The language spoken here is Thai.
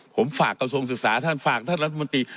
ผมฝากกระทรวงศึกษาท่านฝากท่านรัฐมนตรี